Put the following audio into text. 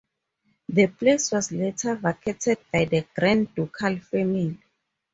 The palace was later vacated by the Grand Ducal family.